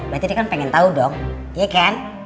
berarti dia kan pengen tau dong iya kan